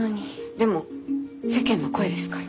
でも世間の声ですから。